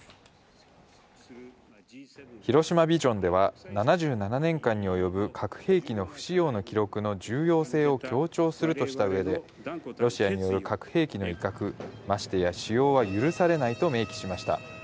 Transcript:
広島ビジョンでは、７７年間に及ぶ核兵器の不使用の記録の重要性を強調するとしたうえで、ロシアによる核兵器の威嚇、ましてや使用は許されないと明記しました。